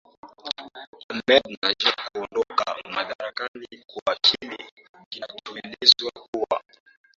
hamed najad kuondoka madarakani kwa kile kinachoelezwa kuwa